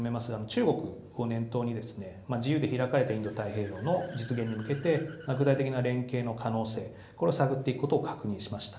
中国を念頭に、自由で開かれたインド太平洋の実現に向けて、具体的な連携の可能性、これを探っていくことを確認しました。